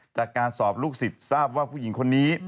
จากการสอบลูกศิษย์ทราบว่าผู้หญิงคนนี้